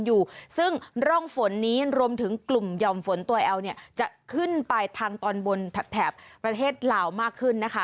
อยู่ซึ่งร่องฝนนี้รวมถึงกลุ่มหย่อมฝนตัวแอลเนี่ยจะขึ้นไปทางตอนบนแถบประเทศลาวมากขึ้นนะคะ